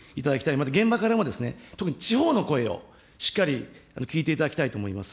また現場からも、特に地方の声をしっかり聞いていただきたいと思います。